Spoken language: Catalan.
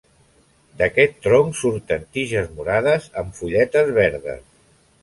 D'aquest tronc surten tiges morades amb fulletes verdes.